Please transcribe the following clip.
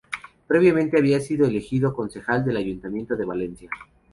Previamente había sido elegido concejal del ayuntamiento de Valencia.